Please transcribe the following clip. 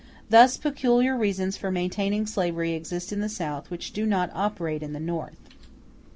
Thus, peculiar reasons for maintaining slavery exist in the South which do not operate in the North.